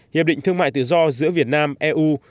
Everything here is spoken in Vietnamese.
hiệp định thương mại tự do giữa việt nam eu